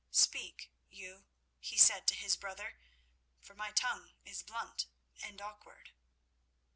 "Speak you," he said to his brother, "for my tongue is blunt and awkward."